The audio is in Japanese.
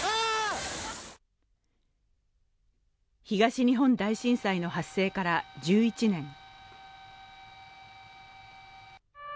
東日本大震災の発生から１１年。